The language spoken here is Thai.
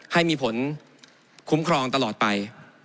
ให้มีผลคุ้มครองตลอดไป